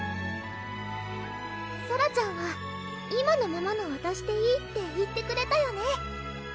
ソラちゃんは今のままのわたしでいいって言ってくれたよね